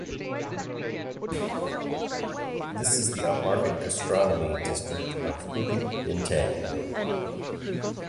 This is the upmarket gastronomy district of Bukit Bintang.